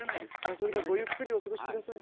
「それではごゆっくりお過ごしください」。